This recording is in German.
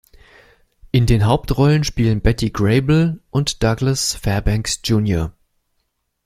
In den Hauptrollen spielen Betty Grable und Douglas Fairbanks Jr.